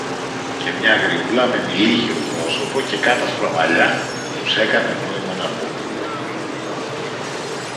και μια γριούλα με μειλίχιο πρόσωπο και κάτασπρα μαλλιά, τους έκανε νόημα να μπουν.